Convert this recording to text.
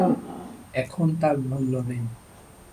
এখন তার মুল্য নেই।